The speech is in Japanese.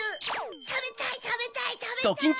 たべたいたべたいたべたい！